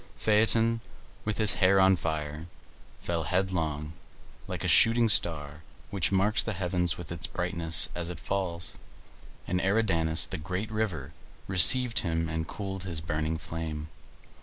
Phaeton, with his hair on fire, fell headlong, like a shooting star which marks the heavens with its brightness as it falls, and Eridanus, the great river, received him and cooled his burning frame.